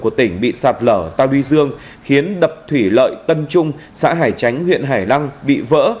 của tỉnh bị sạt lở ta luy dương khiến đập thủy lợi tân trung xã hải chánh huyện hải lăng bị vỡ